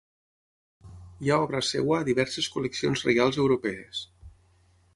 Hi ha obra seva a diverses col·leccions reials europees.